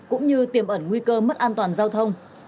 cũng như tiềm ẩn nguy cơ mất an toàn giao thông